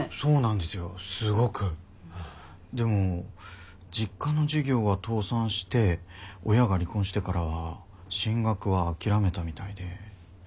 でも実家の事業が倒産して親が離婚してからは進学は諦めたみたいで。